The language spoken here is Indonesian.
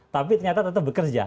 tapi ternyata tetap bekerja